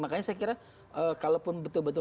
makanya saya kira kalaupun betul betul